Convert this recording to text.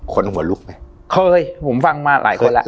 คนหัวลุกไหมเคยผมฟังมาหลายคนแล้ว